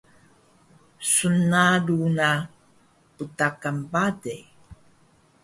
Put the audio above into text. snalu na btakan bale